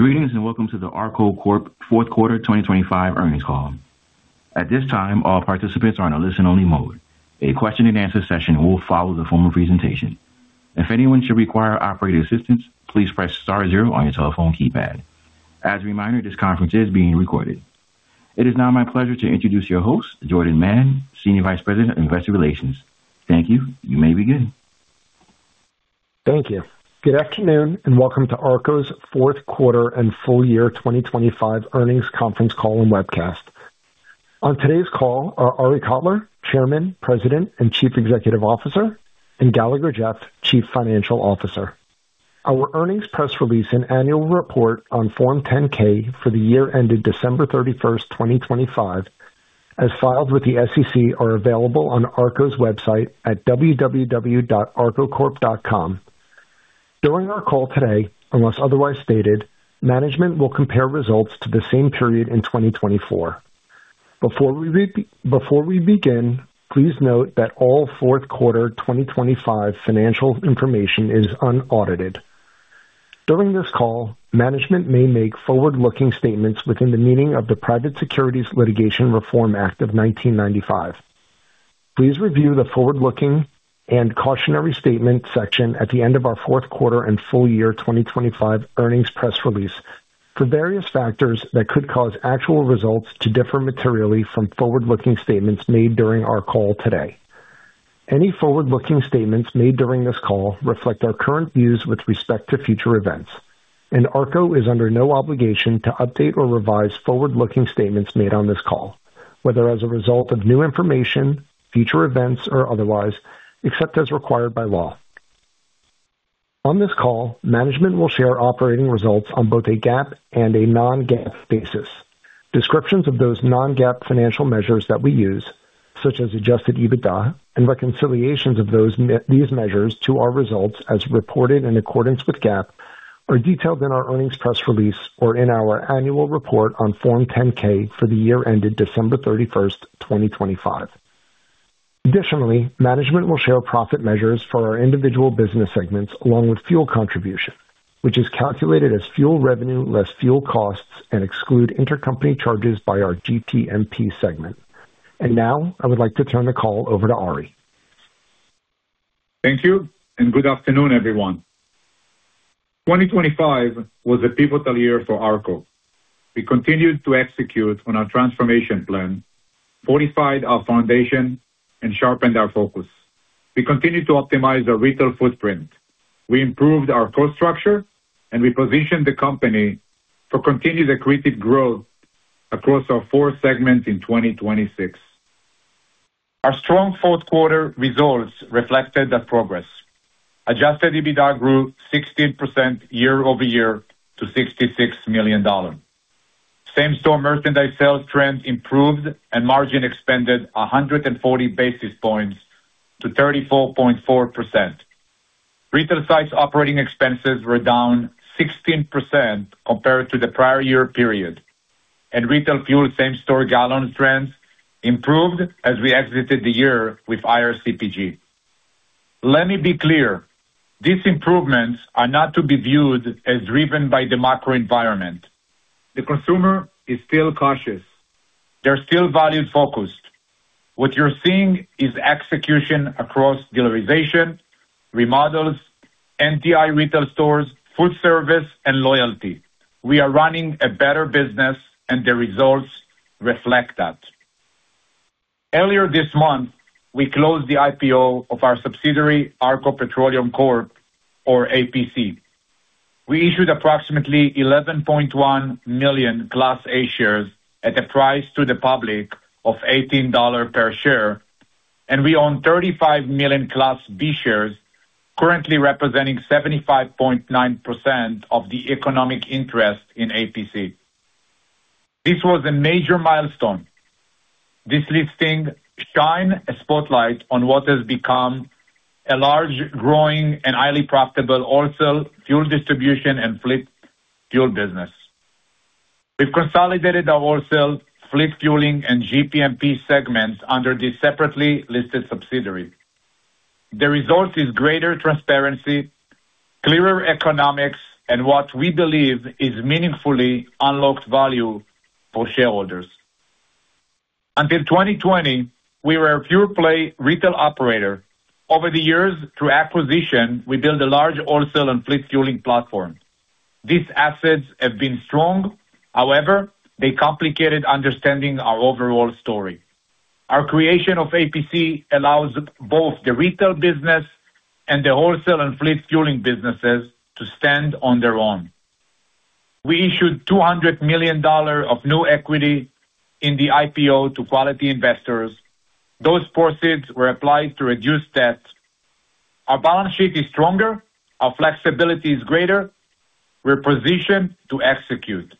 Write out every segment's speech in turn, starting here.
Greetings, and welcome to the ARKO Corp. fourth quarter 2025 earnings call. At this time, all participants are on a listen-only mode. A question-and-answer session will follow the formal presentation. If anyone should require operator assistance, please press star zero on your telephone keypad. As a reminder, this conference is being recorded. It is now my pleasure to introduce your host, Jordan Mann, Senior Vice President of Investor Relations. Thank you. You may begin. Thank you. Good afternoon, and welcome to ARKO's fourth quarter and full year 2025 earnings conference call and webcast. On today's call are Arie Kotler, Chairman, President, and Chief Executive Officer, and Galagher Jeff, Chief Financial Officer. Our earnings press release and annual report on Form 10-K for the year ended December 31st, 2025, as filed with the SEC, are available on ARKO's website at www.arkocorp.com. During our call today, unless otherwise stated, management will compare results to the same period in 2024. Before we begin, please note that all fourth quarter 2025 financial information is unaudited. During this call, management may make forward-looking statements within the meaning of the Private Securities Litigation Reform Act of 1995. Please review the forward-looking and cautionary statement section at the end of our fourth quarter and full year 2025 earnings press release for various factors that could cause actual results to differ materially from forward-looking statements made during our call today. Any forward-looking statements made during this call reflect our current views with respect to future events, and ARKO is under no obligation to update or revise forward-looking statements made on this call, whether as a result of new information, future events, or otherwise, except as required by law. On this call, management will share operating results on both a GAAP and a non-GAAP basis. Descriptions of those non-GAAP financial measures that we use, such as Adjusted EBITDA and reconciliations of these measures to our results, as reported in accordance with GAAP, are detailed in our earnings press release or in our annual report on Form 10-K for the year ended December 31st, 2025. Additionally, management will share profit measures for our individual business segments along with fuel contribution, which is calculated as fuel revenue less fuel costs and exclude intercompany charges by our GPMP segment. Now, I would like to turn the call over to Arie. Thank you and good afternoon, everyone. 2025 was a pivotal year for ARKO. We continued to execute on our transformation plan, fortified our foundation and sharpened our focus. We continued to optimize our retail footprint. We improved our cost structure. We positioned the company to continue the accreted growth across our four segments in 2026. Our strong fourth quarter results reflected that progress. Adjusted EBITDA grew 16% year-over-year to $66 million. Same-store merchandise sales trends improved. Margin expanded 140 basis points to 34.4%. Retail sites operating expenses were down 16% compared to the prior year period. Retail fuel same-store gallon trends improved as we exited the year with higher CPG. Let me be clear, these improvements are not to be viewed as driven by the macro environment. The consumer is still cautious. They're still valued-focused. What you're seeing is execution across Dealerization, remodels, NTI retail stores, food service, and loyalty. We are running a better business. The results reflect that. Earlier this month, we closed the IPO of our subsidiary, ARKO Petroleum Corp., or APC. We issued approximately 11.1 million Class A shares at a price to the public of $18 per share. We own 35 million Class B shares, currently representing 75.9% of the economic interest in APC. This was a major milestone. This listing shine a spotlight on what has become a large, growing, and highly profitable wholesale fuel distribution and fleet fuel business. We've consolidated our wholesale, fleet fueling, and GPMP segments under the separately listed subsidiary. The result is greater transparency, clearer economics, and what we believe is meaningfully unlocked value for shareholders. Until 2020, we were a pure play retail operator. Over the years, through acquisition, we built a large wholesale and fleet fueling platform. These assets have been strong. However, they complicated understanding our overall story. Our creation of APC allows both the retail business and the wholesale and fleet fueling businesses to stand on their own. We issued $200 million of new equity in the IPO to quality investors. Those proceeds were applied to reduce debt. Our balance sheet is stronger, our flexibility is greater. We're positioned to execute.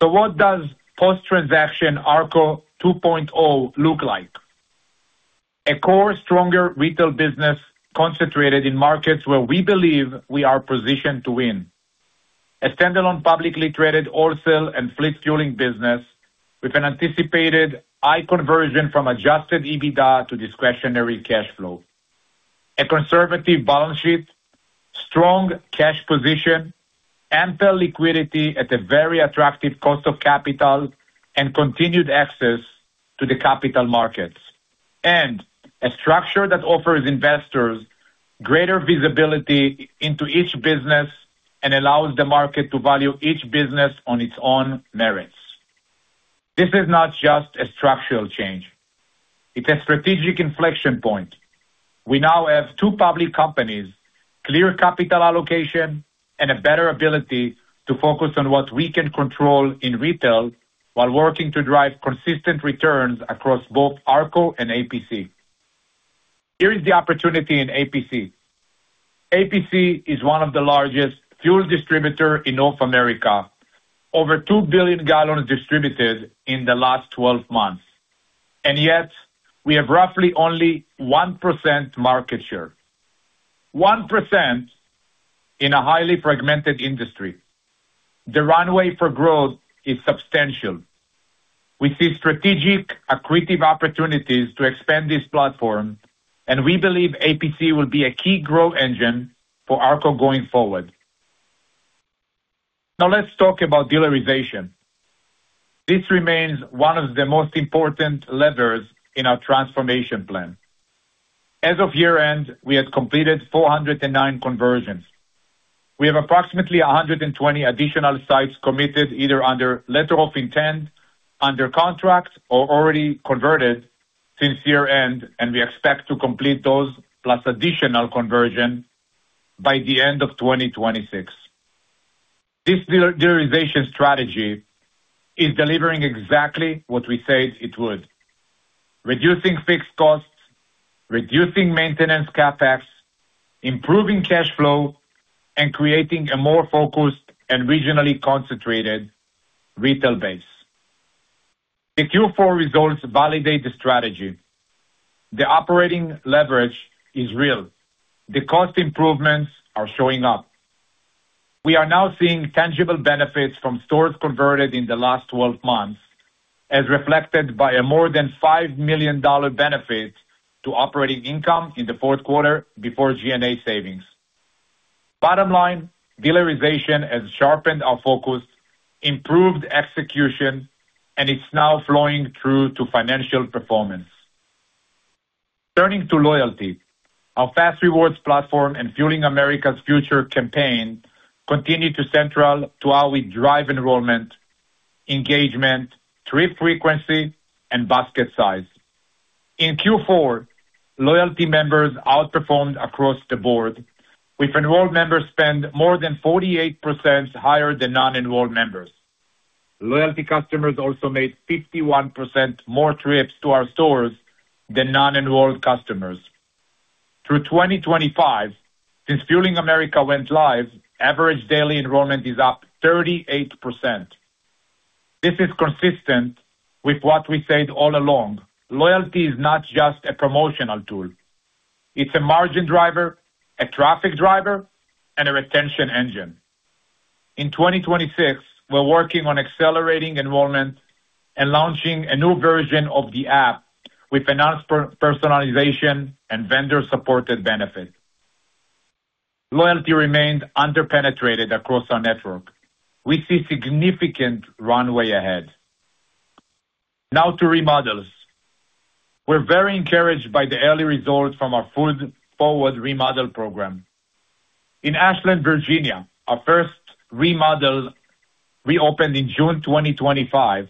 What does post-transaction ARKO 2.0 look like? A core, stronger retail business concentrated in markets where we believe we are positioned to win. A standalone, publicly traded wholesale and fleet fueling business with an anticipated high conversion from Adjusted EBITDA to discretionary cash flow. A conservative balance sheet, strong cash position, ample liquidity at a very attractive cost of capital, continued access to the capital markets, and a structure that offers investors greater visibility into each business and allows the market to value each business on its own merits. This is not just a structural change, it's a strategic inflection point. We now have two public companies, clear capital allocation, and a better ability to focus on what we can control in retail while working to drive consistent returns across both ARKO and APC. Here is the opportunity in APC. APC is one of the largest fuel distributor in North America. Over 2 billion gallons distributed in the last 12 months, and yet we have roughly only 1% market share. 1% in a highly fragmented industry. The runway for growth is substantial. We see strategic, accretive opportunities to expand this platform, and we believe APC will be a key growth engine for ARKO going forward. Let's talk about Dealerization. This remains one of the most important levers in our transformation plan. As of year-end, we had completed 409 conversions. We have approximately 120 additional sites committed, either under letter of intent, under contract, or already converted since year-end, and we expect to complete those plus additional conversion by the end of 2026. This dealer-Dealerization strategy is delivering exactly what we said it would: reducing fixed costs, reducing maintenance CapEx, improving cash flow, and creating a more focused and regionally concentrated retail base. The Q4 results validate the strategy. The operating leverage is real. The cost improvements are showing up. We are now seeing tangible benefits from stores converted in the last 12 months, as reflected by a more than $5 million benefit to operating income in the fourth quarter before G&A savings. Bottom line, Dealerization has sharpened our focus, improved execution, and it's now flowing through to financial performance. Turning to loyalty, our fas REWARDS platform and Fueling America's Future campaign continue to central to how we drive enrollment, engagement, trip frequency, and basket size. In Q4, loyalty members outperformed across the board, with enrolled members spend more than 48% higher than non-enrolled members. Loyalty customers also made 51% more trips to our stores than non-enrolled customers. Through 2025, since Fueling America went live, average daily enrollment is up 38%. This is consistent with what we said all along. Loyalty is not just a promotional tool, it's a margin driver, a traffic driver, and a retention engine. In 2026, we're working on accelerating enrollment and launching a new version of the app with enhanced personalization and vendor-supported benefits. Loyalty remains underpenetrated across our network. We see significant runway ahead. Now to remodels. We're very encouraged by the early results from our food-forward remodel program. In Ashland, Virginia, our first remodel reopened in June 2025.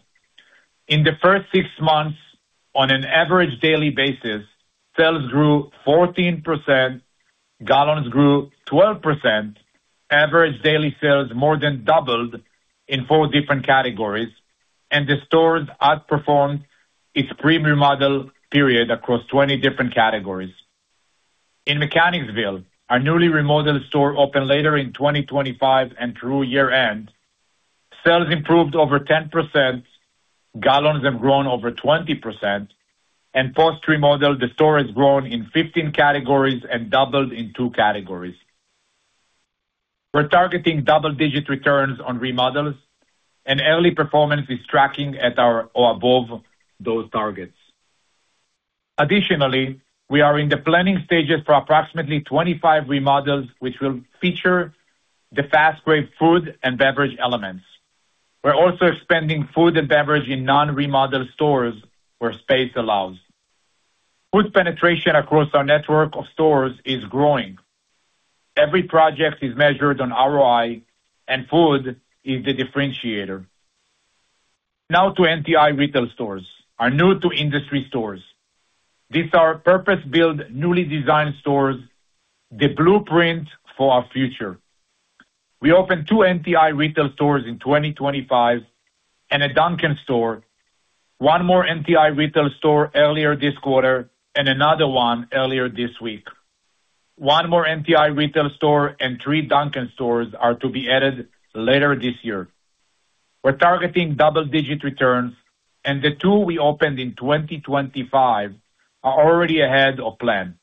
In the first six months, on an average daily basis, sales grew 14%, gallons grew 12%, average daily sales more than doubled in four different categories, and the stores outperformed its pre-remodel period across 20 different categories. In Mechanicsville, our newly remodeled store opened later in 2025. Through year-end, sales improved over 10%, gallons have grown over 20%, and post-remodel, the store has grown in 15 categories and doubled in 2 categories. We're targeting double-digit returns on remodels. Early performance is tracking at our or above those targets. Additionally, we are in the planning stages for approximately 25 remodels, which will feature the fas craves food and beverage elements. We're also expanding food and beverage in non-remodeled stores where space allows. Food penetration across our network of stores is growing. Every project is measured on ROI. Food is the differentiator. Now to NTI retail stores, our new-to-industry stores. These are purpose-built, newly designed stores, the blueprint for our future. We opened 2 NTI retail stores in 2025 and a Dunkin' store, 1 more NTI retail store earlier this quarter, and another 1 earlier this week. 1 more NTI retail store and 3 Dunkin' stores are to be added later this year. We're targeting double-digit returns, and the 2 we opened in 2025 are already ahead of plan.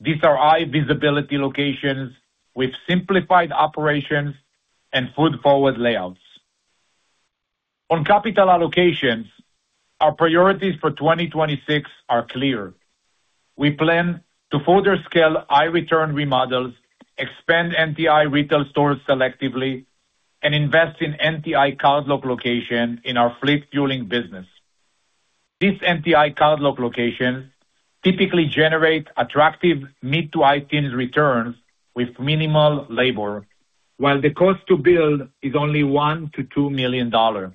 These are high-visibility locations with simplified operations and food-forward layouts. On capital allocations, our priorities for 2026 are clear. We plan to further scale high return remodels, expand NTI retail stores selectively, and invest in NTI cardlock location in our fleet fueling business. These NTI cardlock locations typically generate attractive mid to high teens returns with minimal labor, while the cost to build is only $1 million-$2 million.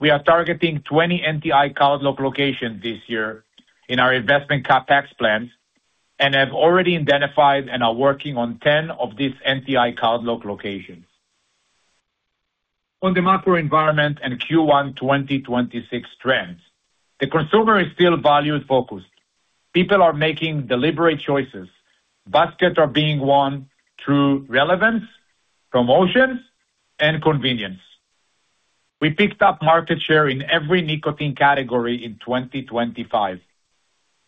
We are targeting 20 NTI cardlock locations this year in our investment CapEx plans, and have already identified and are working on 10 of these NTI cardlock locations. On the macro environment and Q1 2026 trends, the consumer is still value-focused. People are making deliberate choices. Baskets are being won through relevance, promotions, and convenience. We picked up market share in every nicotine category in 2025.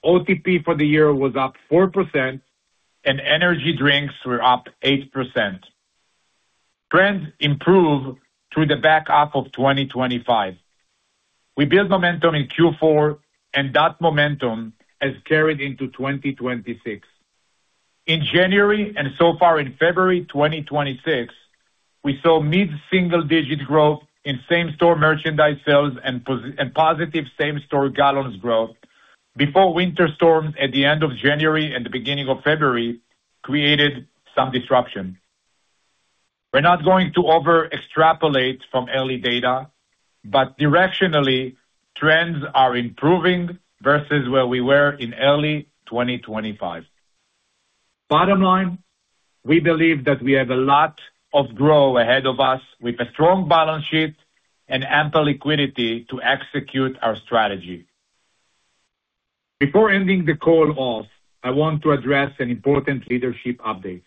OTP for the year was up 4%, and energy drinks were up 8%. Trends improved through the back half of 2025. We built momentum in Q4, and that momentum has carried into 2026. In January and so far in February 2026, we saw mid-single-digit growth in same-store merchandise sales and positive same-store gallons growth before winter storms at the end of January and the beginning of February created some disruption. We're not going to over extrapolate from early data. Directionally, trends are improving versus where we were in early 2025. Bottom line, we believe that we have a lot of growth ahead of us with a strong balance sheet and ample liquidity to execute our strategy. Before ending the call off, I want to address an important leadership update.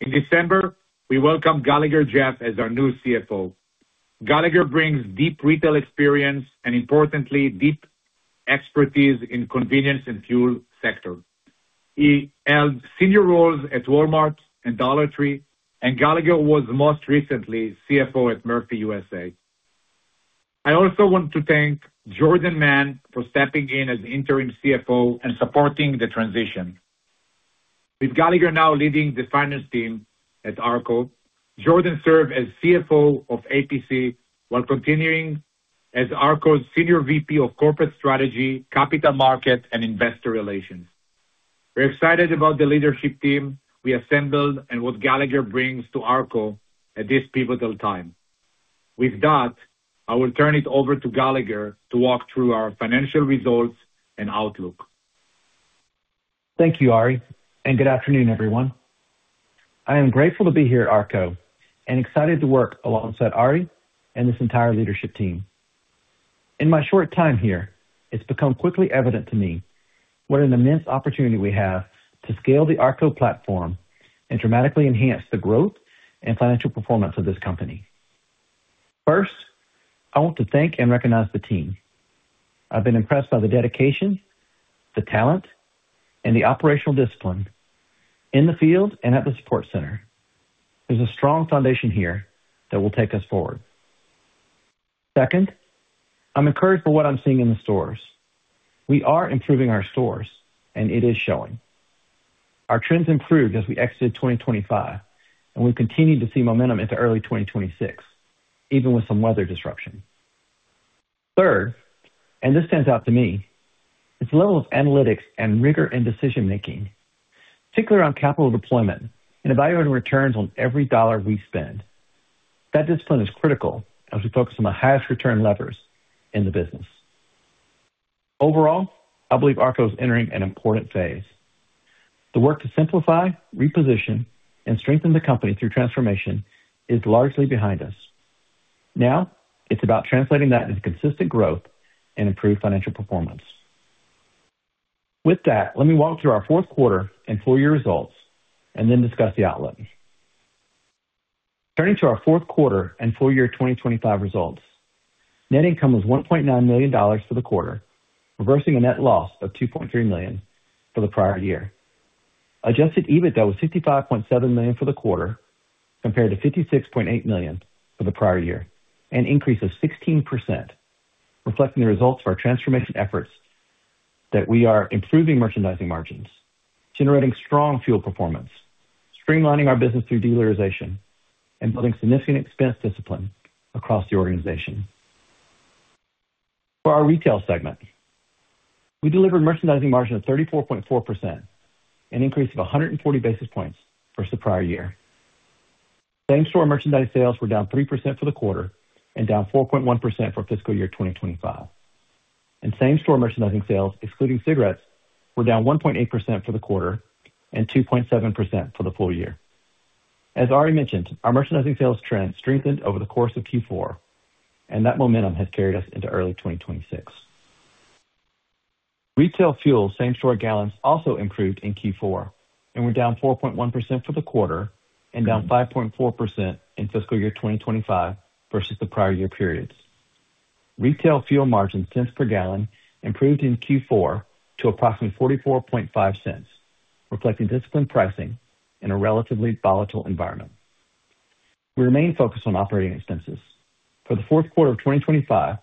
In December, we welcomed Galagher Jeff as our new CFO. Galagher brings deep retail experience and importantly, deep expertise in convenience and fuel sector. He held senior roles at Walmart and Dollar Tree. Galagher was most recently CFO at Murphy USA. I also want to thank Jordan Mann for stepping in as interim CFO and supporting the transition. With Galagher now leading the finance team at ARKO, Jordan served as CFO of APC while continuing as ARKO's Senior VP of Corporate Strategy, Capital Markets, and Investor Relations. We're excited about the leadership team we assembled and what Galagher brings to ARKO at this pivotal time. With that, I will turn it over to Galagher to walk through our financial results and outlook. Thank you, Ari. Good afternoon, everyone. I am grateful to be here at ARKO and excited to work alongside Ari and this entire leadership team. In my short time here, it's become quickly evident to me what an immense opportunity we have to scale the ARKO platform and dramatically enhance the growth and financial performance of this company. First, I want to thank and recognize the team. I've been impressed by the dedication, the talent, and the operational discipline in the field and at the support center. There's a strong foundation here that will take us forward. Second, I'm encouraged by what I'm seeing in the stores. We are improving our stores, and it is showing. Our trends improved as we exited 2025, and we've continued to see momentum into early 2026, even with some weather disruption. Third, this stands out to me, it's the level of analytics and rigor in decision making, particularly around capital deployment and evaluating returns on every dollar we spend. That discipline is critical as we focus on the highest return levers in the business. Overall, I believe ARKO is entering an important phase. The work to simplify, reposition, and strengthen the company through transformation is largely behind us. Now, it's about translating that into consistent growth and improved financial performance. With that, let me walk through our fourth quarter and full year results and then discuss the outlook. Turning to our fourth quarter and full year 2025 results, net income was $1.9 million for the quarter, reversing a net loss of $2.3 million for the prior year. Adjusted EBITDA was $65.7 million for the quarter, compared to $56.8 million for the prior year, an increase of 16%, reflecting the results of our transformation efforts, that we are improving merchandising margins, generating strong fuel performance, streamlining our business through Dealerization, and building significant expense discipline across the organization. For our retail segment, we delivered merchandising margin of 34.4%, an increase of 140 basis points versus the prior year. Same-store merchandise sales were down 3% for the quarter and down 4.1% for fiscal year 2025. Same-store merchandising sales, excluding cigarettes, were down 1.8% for the quarter and 2.7% for the full year. As Arie mentioned, our merchandising sales trend strengthened over the course of Q4. That momentum has carried us into early 2026. Retail fuel same-store gallons also improved in Q4 and were down 4.1% for the quarter and down 5.4% in fiscal year 2025 versus the prior year periods. Retail fuel margins cents per gallon improved in Q4 to approximately $0.445. reflecting disciplined pricing in a relatively volatile environment. We remain focused on operating expenses. For the fourth quarter of 2025,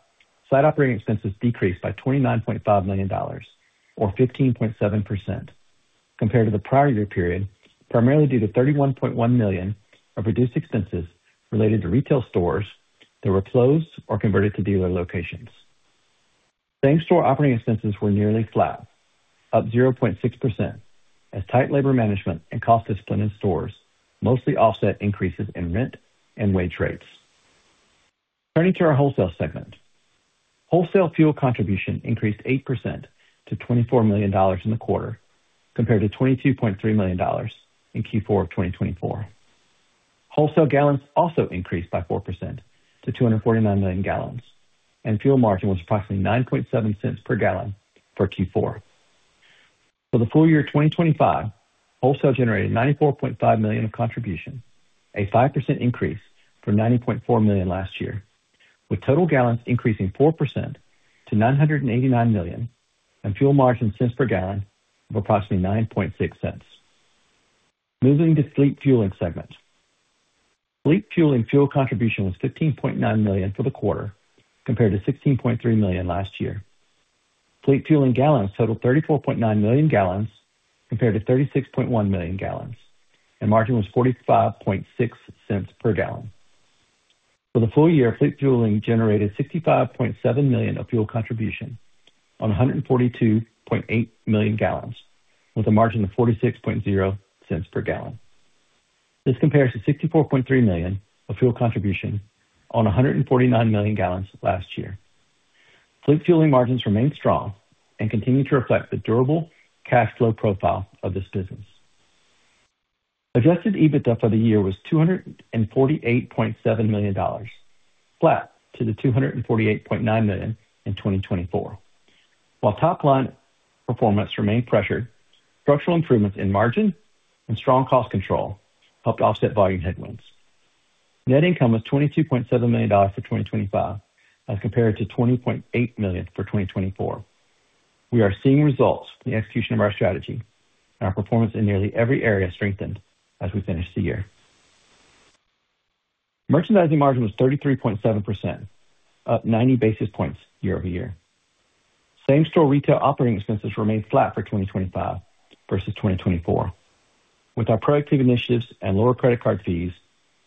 site operating expenses decreased by $29.5 million, or 15.7%, compared to the prior year period, primarily due to $31.1 million of reduced expenses related to retail stores that were closed or converted to dealer locations. Same-store operating expenses were nearly flat, up 0.6%, as tight labor management and cost discipline in stores mostly offset increases in rent and wage rates. Turning to our wholesale segment. Wholesale fuel contribution increased 8% to $24 million in the quarter, compared to $22.3 million in Q4 of 2024. Wholesale gallons also increased by 4% to 249 million gallons. Fuel margin was approximately $0.097 per gallon for Q4. For the full year 2025, wholesale generated $94.5 million of contribution, a 5% increase from $90.4 million last year, with total gallons increasing 4% to 989 million and fuel margin cents per gallon of approximately $0.096. Moving to Fleet Fueling segment. Fleet Fueling fuel contribution was $15.9 million for the quarter, compared to $16.3 million last year. Fleet Fueling gallons totaled 34.9 million gallons compared to 36.1 million gallons. Margin was $0.456 per gallon. For the full year, Fleet Fueling generated $65.7 million of fuel contribution on 142.8 million gallons, with a margin of $0.460 per gallon. This compares to $64.3 million of fuel contribution on 149 million gallons last year. Fleet Fueling margins remain strong and continue to reflect the durable cash flow profile of this business. Adjusted EBITDA for the year was $248.7 million, flat to the $248.9 million in 2024. While top line performance remained pressured, structural improvements in margin and strong cost control helped to offset volume headwinds. Net income was $22.7 million for 2025, as compared to $20.8 million for 2024. We are seeing results in the execution of our strategy, and our performance in nearly every area strengthened as we finished the year. Merchandising margin was 33.7%, up 90 basis points year-over-year. Same-store retail operating expenses remained flat for 2025 versus 2024, with our productivity initiatives and lower credit card fees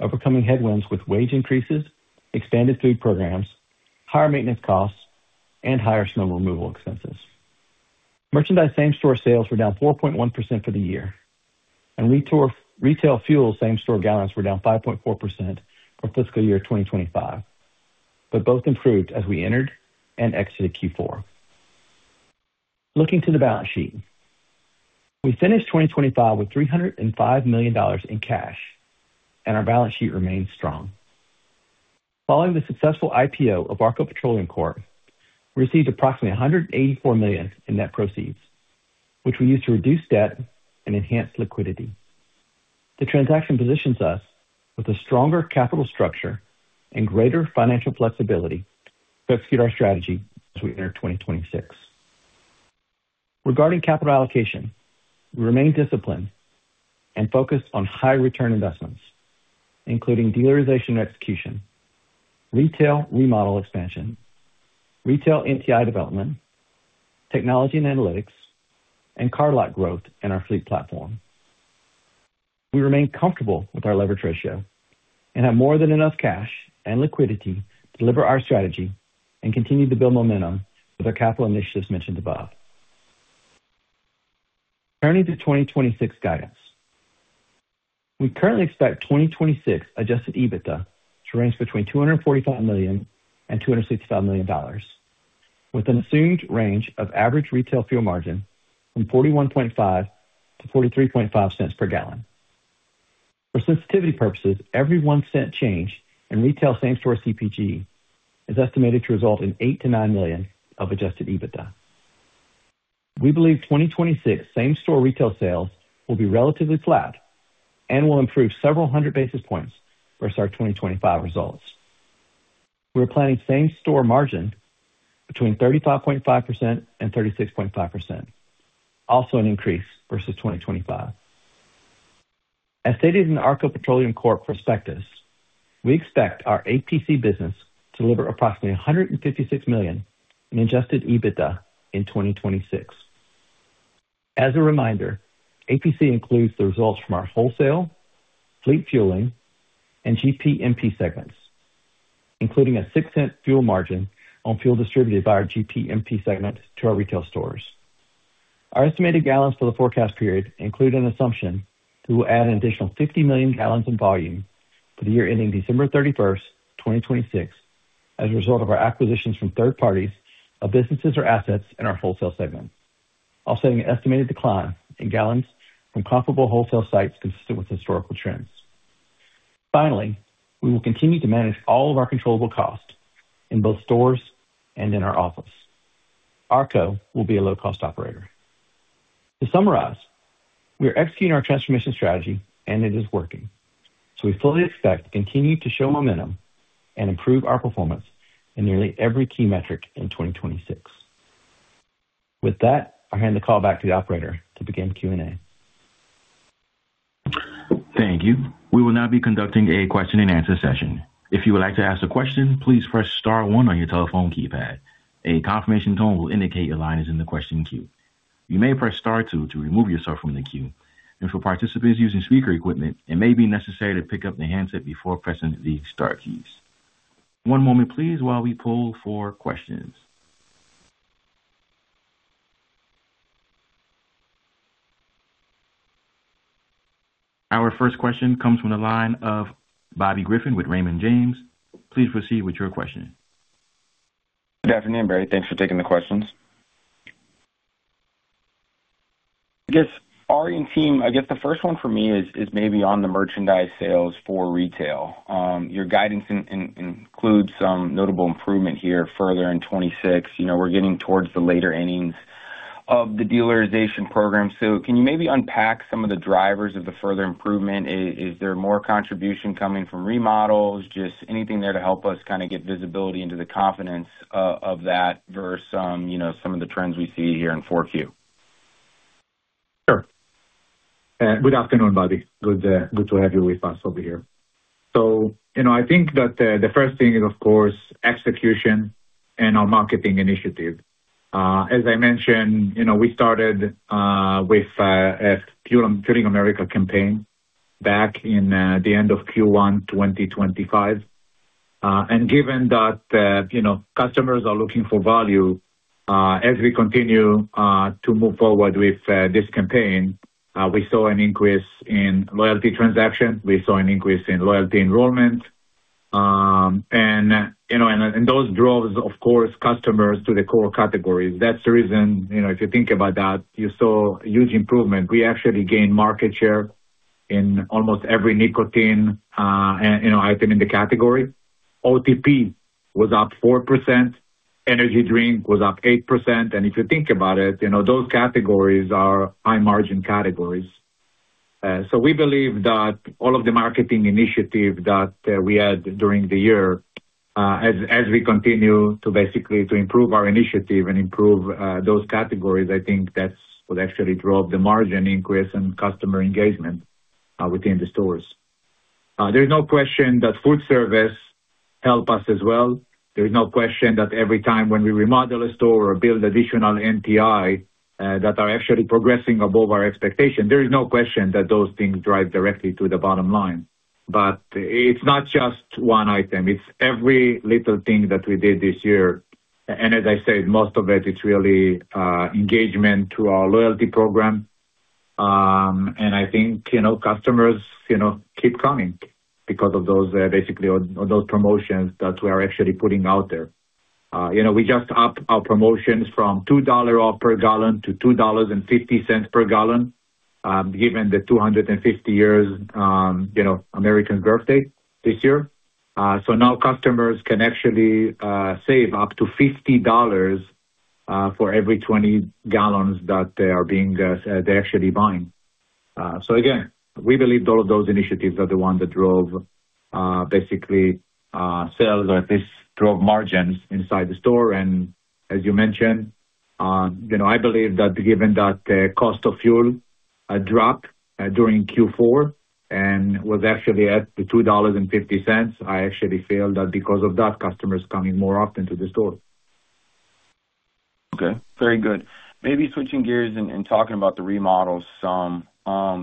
overcoming headwinds with wage increases, expanded food programs, higher maintenance costs, and higher snow removal expenses. Merchandise same-store sales were down 4.1% for the year, and retail fuel same-store gallons were down 5.4% for fiscal year 2025, but both improved as we entered and exited Q4. Looking to the balance sheet. We finished 2025 with $305 million in cash, and our balance sheet remains strong. Following the successful IPO of ARKO Petroleum Corp., we received approximately $184 million in net proceeds, which we used to reduce debt and enhance liquidity. The transaction positions us with a stronger capital structure and greater financial flexibility to execute our strategy as we enter 2026. Regarding capital allocation, we remain disciplined and focused on high return investments, including Dealerization execution, retail remodel expansion, retail NTI development, technology and analytics, and cardlock growth in our fleet platform. We remain comfortable with our levered ratio and have more than enough cash and liquidity to deliver our strategy and continue to build momentum with our capital initiatives mentioned above. Turning to 2026 guidance. We currently expect 2026 Adjusted EBITDA to range between $245 million and $265 million, with an assumed range of average retail fuel margin from $41.5-$43.5 cents per gallon. For sensitivity purposes, every 1 cent change in retail same-store CPG is estimated to result in $8 million-$9 million of Adjusted EBITDA. We believe 2026 same-store retail sales will be relatively flat and will improve several hundred basis points versus our 2025 results. We are planning same-store margin between 35.5% and 36.5%, also an increase versus 2025. As stated in the ARKO Petroleum Corp. prospectus, we expect our APC business to deliver approximately $156 million in Adjusted EBITDA in 2026. As a reminder, APC includes the results from our wholesale, fleet fueling, and GPMP segments, including a $0.06 fuel margin on fuel distributed by our GPMP segment to our retail stores. Our estimated gallons for the forecast period include an assumption that we'll add an additional 50 million gallons in volume for the year ending December 31st, 2026, as a result of our acquisitions from third parties of businesses or assets in our wholesale segment, offsetting an estimated decline in gallons from comparable wholesale sites consistent with historical trends. We will continue to manage all of our controllable costs in both stores and in our office. ARKO will be a low-cost operator. To summarize, we are executing our transformation strategy and it is working.... We fully expect to continue to show momentum and improve our performance in nearly every key metric in 2026. With that, I'll hand the call back to the operator to begin Q&A. Thank you. We will now be conducting a question-and-answer session. If you would like to ask a question, please press star one on your telephone keypad. A confirmation tone will indicate your line is in the question queue. You may press star two to remove yourself from the queue, and for participants using speaker equipment, it may be necessary to pick up the handset before pressing the star keys. One moment, please, while we pull for questions. Our first question comes from the line of Bobby Griffin with Raymond James. Please proceed with your question. Good afternoon, Arie. Thanks for taking the questions. I guess, Ari and team, I guess the first one for me is maybe on the merchandise sales for retail. Your guidance includes some notable improvement here further in 26. You know, we're getting towards the later innings of the Dealerization program. Can you maybe unpack some of the drivers of the further improvement? Is there more contribution coming from remodels? Just anything there to help us kind of get visibility into the confidence of that versus, you know, some of the trends we see here in 4Q? Sure. Good afternoon, Bobby. Good to have you with us over here. You know, I think that the first thing is, of course, execution and our marketing initiative. As I mentioned, you know, we started with a Fueling America campaign back in the end of Q1 2025. Given that, you know, customers are looking for value, as we continue to move forward with this campaign, we saw an increase in loyalty transactions. We saw an increase in loyalty enrollment. You know, those drove, of course, customers to the core categories. That's the reason, you know, if you think about that, you saw a huge improvement. We actually gained market share in almost every nicotine, and, you know, item in the category. OTP was up 4%, energy drink was up 8%. If you think about it, you know, those categories are high-margin categories. We believe that all of the marketing initiative that we had during the year, as we continue to basically to improve our initiative and improve those categories, I think that's what actually drove the margin increase and customer engagement within the stores. There's no question that food service help us as well. There is no question that every time when we remodel a store or build additional NTI that are actually progressing above our expectation, there is no question that those things drive directly to the bottom line. It's not just one item, it's every little thing that we did this year, and as I said, most of it's really engagement to our loyalty program. I think, you know, customers, you know, keep coming because of those, basically, those promotions that we are actually putting out there. You know, we just upped our promotions from $2 off per gallon to $2.50 per gallon, given the 250 years, you know, American birthday this year. Now customers can actually save up to $50 for every 20 gallons that they are being, they're actually buying. Again, we believe all of those initiatives are the ones that drove, basically, sales, or at least drove margins inside the store. As you mentioned, you know, I believe that given that the cost of fuel dropped during Q4 and was actually at the $2.50, I actually feel that because of that, customers coming more often to the store. Okay. Very good. Maybe switching gears and talking about the remodels some.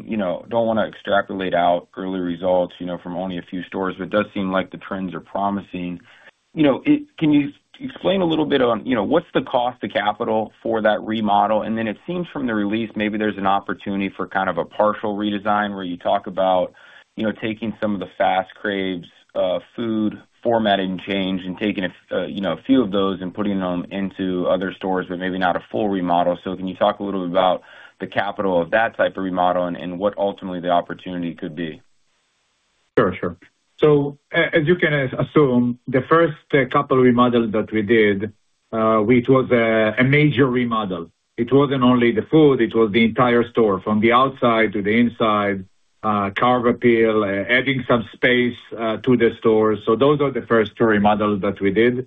you know, don't wanna extrapolate out early results, you know, from only a few stores, but it does seem like the trends are promising. you know, can you explain a little bit on, you know, what's the cost to capital for that remodel? Then it seems from the release, maybe there's an opportunity for kind of a partial redesign, where you talk about, you know, taking some of the fas craves food formatting change and taking a few of those and putting them into other stores, but maybe not a full remodel. Can you talk a little bit about the capital of that type of remodel and what ultimately the opportunity could be? Sure, sure. As you can assume, the first couple remodels that we did, which was a major remodel, it wasn't only the food, it was the entire store, from the outside to the inside, curb appeal, adding some space to the store. Those are the first two remodels that we did.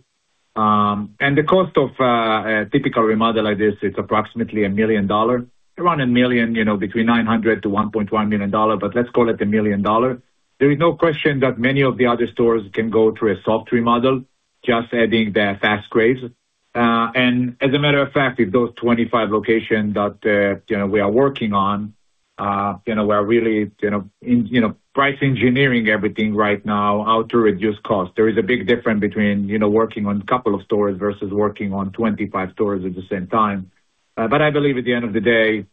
And the cost of a typical remodel like this, it's approximately $1 million. Around $1 million, you know, between $900,000-$1.1 million, but let's call it $1 million. There is no question that many of the other stores can go through a soft remodel, just adding the fas craves. As a matter of fact, if those 25 locations that, you know, we are working on, you know, we are really, you know, in, you know, price engineering everything right now, how to reduce cost. There is a big difference between, you know, working on a couple of stores versus working on 25 stores at the same time. I believe at the end of the day,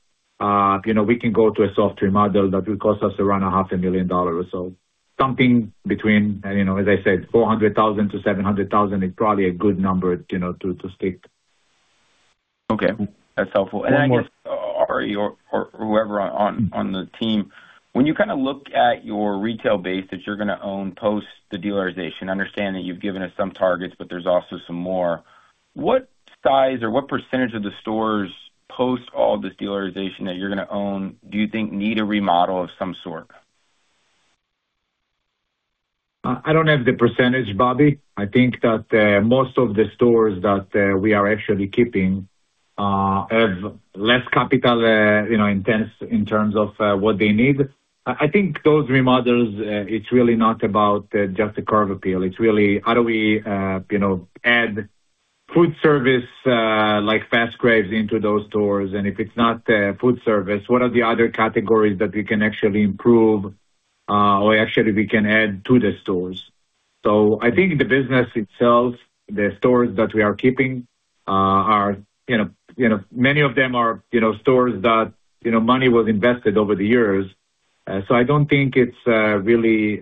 you know, we can go to a soft remodel that will cost us around a half a million dollars or so. Something between, you know, as I said, $400,000-$700,000 is probably a good number, you know, to stick. Okay. That's helpful. One more- I guess, Ari or whoever on the team, when you kind of look at your retail base that you're gonna own post the Dealerization, I understand that you've given us some targets, but there's also some more.... What size or what percentage of the stores, post all this Dealerization that you're gonna own, do you think need a remodel of some sort? I don't have the percentage, Bobby. I think that most of the stores that we are actually keeping have less capital, you know, intense in terms of what they need. I think those remodels, it's really not about just the curb appeal. It's really how do we, you know, add food service, like fas craves into those stores, and if it's not food service, what are the other categories that we can actually improve or actually we can add to the stores? I think the business itself, the stores that we are keeping, are, you know, many of them are, you know, stores that, you know, money was invested over the years. I don't think it's really,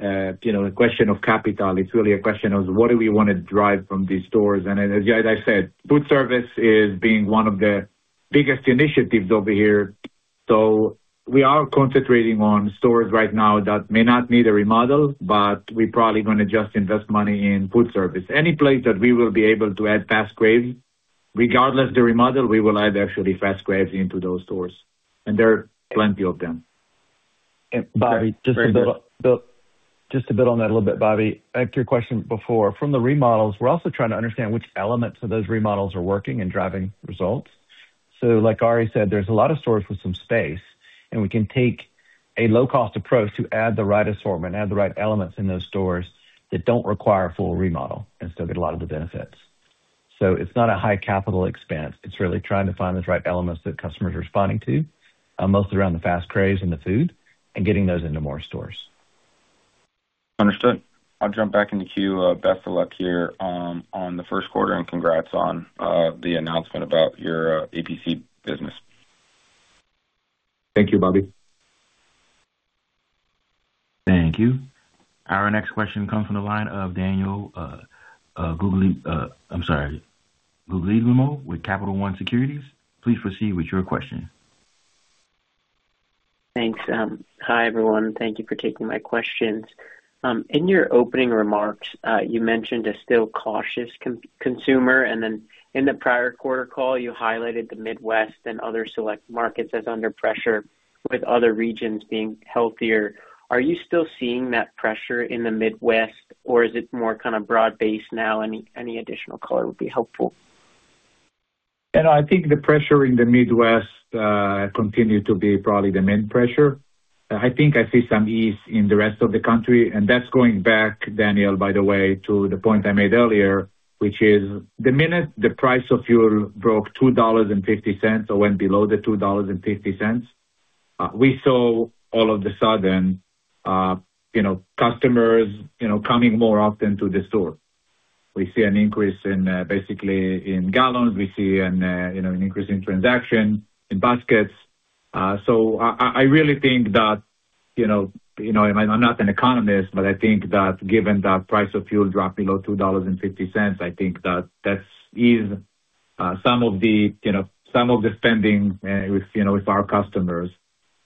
you know, a question of capital, it's really a question of what do we wanna drive from these stores? As, as I said, food service is being one of the biggest initiatives over here. We are concentrating on stores right now that may not need a remodel, but we probably gonna just invest money in food service. Any place that we will be able to add fas craves, regardless the remodel, we will add actually fas craves into those stores, and there are plenty of them. Bobby, just to build on that a little bit, Bobby, back to your question before, from the remodels, we're also trying to understand which elements of those remodels are working and driving results. Like Arie said, there's a lot of stores with some space, and we can take a low-cost approach to add the right assortment, add the right elements in those stores that don't require a full remodel, and still get a lot of the benefits. It's not a high capital expense, it's really trying to find the right elements that customers are responding to, mostly around the fas craves and the food, and getting those into more stores. Understood. I'll jump back in the queue. Best of luck here, on the first quarter, and congrats on the announcement about your APC business. Thank you, Bobby. Thank you. Our next question comes from the line of Daniel, I'm sorry, Guglielmo with Capital One Securities. Please proceed with your question. Thanks. Hi, everyone. Thank you for taking my questions. In your opening remarks, you mentioned a still cautious consumer. In the prior quarter call, you highlighted the Midwest and other select markets as under pressure, with other regions being healthier. Are you still seeing that pressure in the Midwest, or is it more kind of broad-based now? Any additional color would be helpful. I think the pressure in the Midwest continued to be probably the main pressure. I think I see some ease in the rest of the country, and that's going back, Daniel, by the way, to the point I made earlier, which is the minute the price of fuel broke $2.50 or went below the $2.50, we saw all of the sudden, you know, customers, you know, coming more often to the store. We see an increase in basically in gallons. We see an, you know, an increase in transaction, in baskets. I really think that, you know, I'm not an economist, but I think that given that price of fuel dropped below $2.50, I think that that's eased some of the, you know, some of the spending, with, you know, with our customers.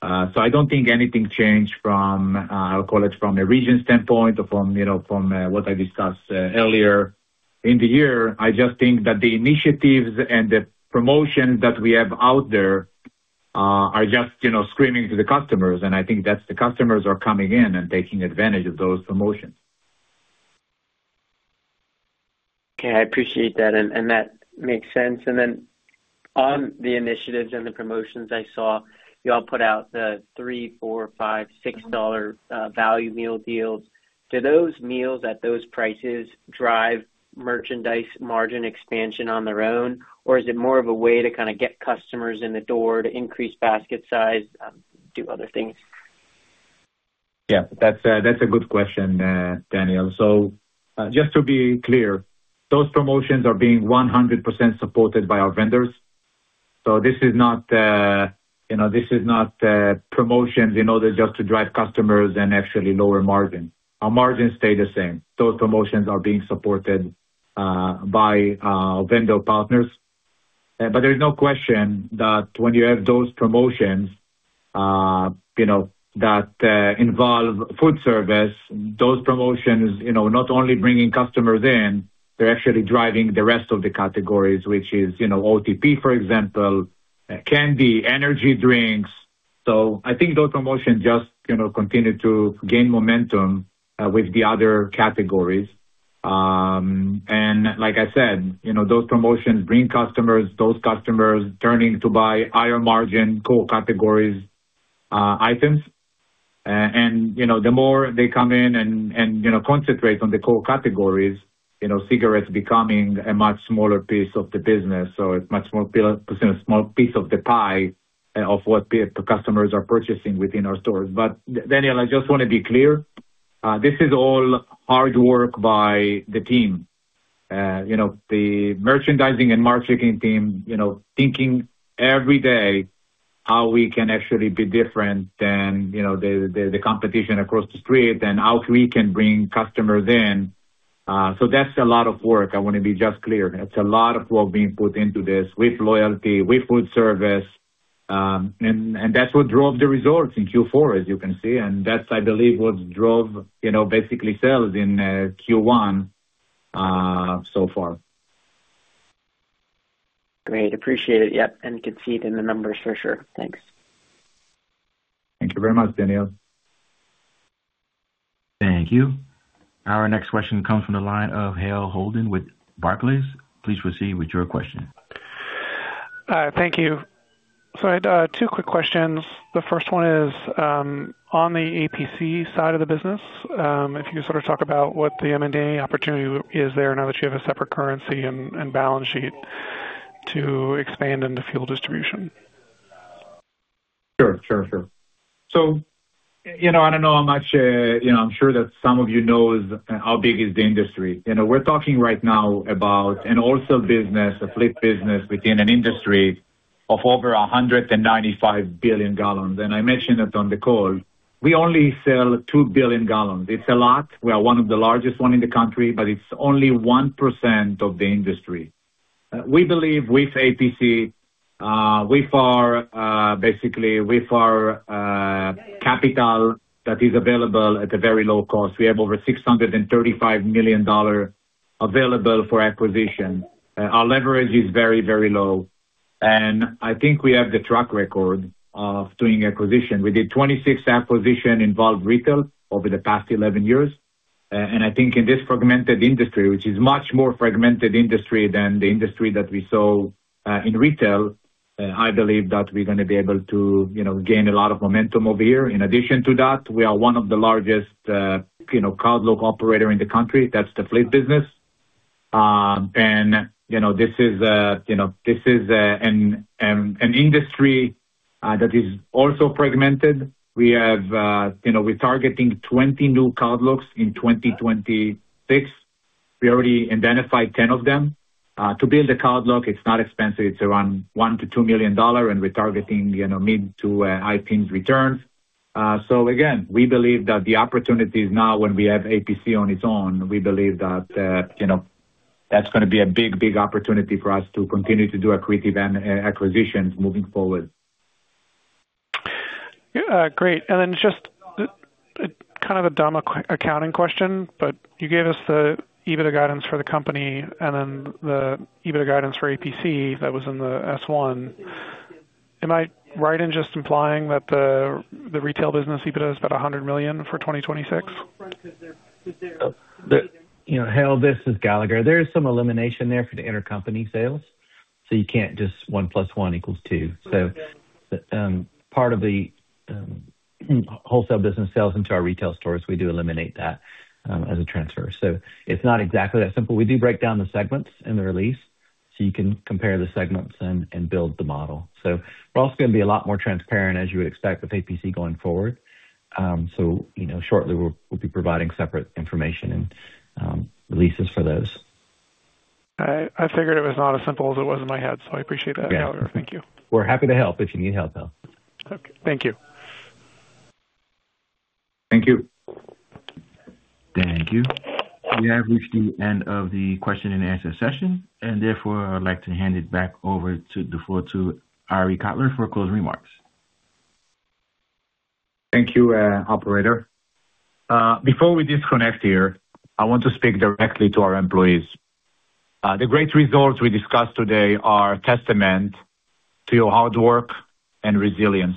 I don't think anything changed from, I'll call it, from a region standpoint or from, you know, from, what I discussed, earlier in the year. I just think that the initiatives and the promotions that we have out there, are just, you know, screaming to the customers, and I think that the customers are coming in and taking advantage of those promotions. Okay, I appreciate that, and that makes sense. Then on the initiatives and the promotions, I saw y'all put out the $3, $4, $5, $6 value meal deals. Do those meals at those prices drive merchandise margin expansion on their own, or is it more of a way to kind of get customers in the door to increase basket size, do other things? Yeah, that's a good question, Daniel. just to be clear, those promotions are being 100% supported by our vendors. This is not, you know, this is not promotions in order just to drive customers and actually lower margin. Our margins stay the same. Those promotions are being supported by our vendor partners. But there's no question that when you have those promotions, you know, that involve food service, those promotions, you know, not only bringing customers in, they're actually driving the rest of the categories, which is, you know, OTP, for example, candy, energy drinks. I think those promotions just, you know, continue to gain momentum with the other categories. And like I said, you know, those promotions bring customers, those customers turning to buy higher margin core categories, items. You know, the more they come in and, you know, concentrate on the core categories, you know, cigarettes becoming a much smaller piece of the business, or it's much more a small piece of the pie, of what the customers are purchasing within our stores. Daniel, I just wanna be clear, this is all hard work by the team. You know, the merchandising and marketing team, you know, thinking every day how we can actually be different than, you know, the competition across the street, and how we can bring customers in. That's a lot of work. I wanna be just clear. It's a lot of work being put into this with loyalty, with food service. That's what drove the results in Q4, as you can see, and that's, I believe, what drove, you know, basically, sales in Q1 so far. Great. Appreciate it. Yep, you can see it in the numbers for sure. Thanks. Thank you very much, Daniel. Thank you. Our next question comes from the line of Hale Holden with Barclays. Please proceed with your question. Thank you. I had 2 quick questions. The first one is, on the APC side of the business, if you sort of talk about what the M&A opportunity is there now that you have a separate currency and balance sheet to expand into fuel distribution? Sure, sure. You know, I don't know how much, you know, I'm sure that some of you knows how big is the industry. You know, we're talking right now about an also business, a fleet business, within an industry of over 195 billion gallons. I mentioned it on the call. We only sell 2 billion gallons. It's a lot. We are one of the largest one in the country, but it's only 1% of the industry. We believe with APC, with our, basically, with our, capital that is available at a very low cost, we have over $635 million dollar available for acquisition. Our leverage is very, very low, and I think we have the track record of doing acquisition. We did 26 acquisition involved retail over the past 11 years, I think in this fragmented industry, which is much more fragmented industry than the industry that we saw in retail, I believe that we're gonna be able to, you know, gain a lot of momentum over here. In addition to that, we are one of the largest, you know, cardlock operator in the country. That's the fleet business. you know, this is, you know, this is an industry that is also fragmented. We have, you know, we're targeting 20 new cardlocks in 2026. We already identified 10 of them. To build a cardlock, it's not expensive. It's around $1 million-$2 million, we're targeting, you know, mid to high teens returns. Again, we believe that the opportunities now, when we have APC on its own, we believe that, you know, that's gonna be a big, big opportunity for us to continue to do accretive and acquisitions moving forward. Great. Just kind of a dumb accounting question, you gave us the EBITDA guidance for the company and the EBITDA guidance for APC that was in the S1. Am I right in just implying that the retail business EBITDA is about $100 million for 2026? You know, Hale, this is Galagher. There is some elimination there for the intercompany sales, so you can't just 1 + 1 = 2. Part of the wholesale business sales into our retail stores, we do eliminate that as a transfer. It's not exactly that simple. We do break down the segments in the release, so you can compare the segments and build the model. We're also gonna be a lot more transparent, as you would expect, with APC going forward. You know, shortly we'll be providing separate information and releases for those. I figured it was not as simple as it was in my head, so I appreciate that, Galagher. Thank you. We're happy to help if you need help, Hale. Okay. Thank you. Thank you. Thank you. We have reached the end of the question and answer session, and therefore, I would like to hand it back over to the floor to Arie Kotler for closing remarks. Thank you, operator. Before we disconnect here, I want to speak directly to our employees. The great results we discussed today are a testament to your hard work and resilience.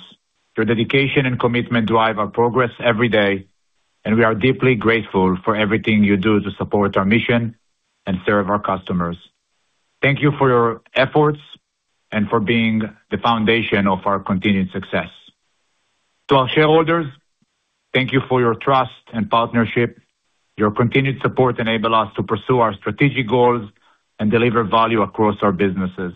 Your dedication and commitment drive our progress every day, and we are deeply grateful for everything you do to support our mission and serve our customers. Thank you for your efforts and for being the foundation of our continued success. To our shareholders, thank you for your trust and partnership. Your continued support enable us to pursue our strategic goals and deliver value across our businesses.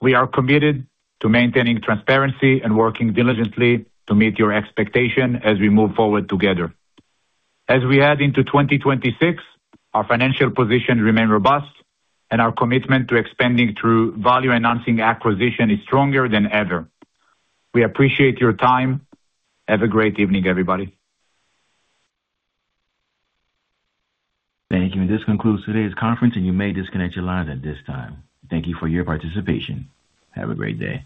We are committed to maintaining transparency and working diligently to meet your expectation as we move forward together. As we head into 2026, our financial position remain robust, and our commitment to expanding through value-enhancing acquisition is stronger than ever. We appreciate your time. Have a great evening, everybody. Thank you. This concludes today's conference, and you may disconnect your lines at this time. Thank you for your participation. Have a great day.